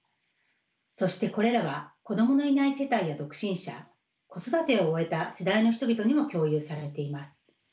そしてこれらは子どものいない世帯や独身者子育てを終えた世代の人々にも共有されています。